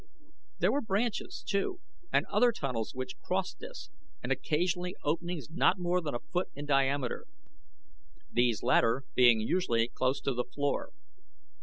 There were branches, too, and other tunnels which crossed this, and occasionally openings not more than a foot in diameter; these latter being usually close to the floor.